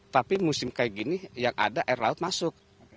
tapi musim kayak gini yang ada air laut masuk